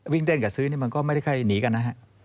วิ่งเต้นกับซื้อนี่มันก็ไม่ได้ค่อยหนีกันนะฮะ